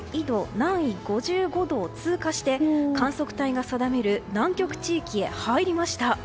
南緯５５度を通過して観測隊が定める南極地域へ入りました。